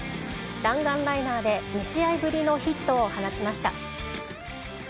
弾丸ライナーで、２試合ぶりのヒットを放ちました。